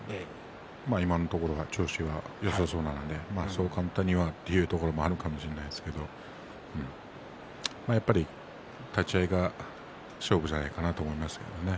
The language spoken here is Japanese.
今のところ調子はよさそうなのでそう簡単にはというところがあるかもしれないですけどやっぱり立ち合いが勝負じゃないかなと思いますけどね。